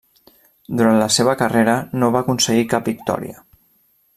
Durant la seva carrera no va aconseguir cap victòria.